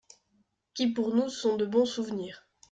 …qui pour nous sont de bons souvenirs.